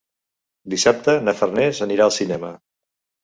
Dissabte na Farners anirà al cinema.